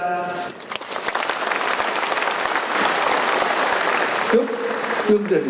chúc chương trình chương trình